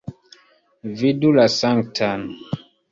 Vidu la Sanktan!